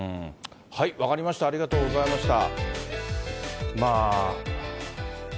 分かりました、ありがとうございました。